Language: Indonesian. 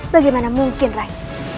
bagaimana mungkin rai